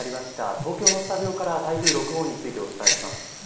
東京のスタジオから台風６号についてお伝えします。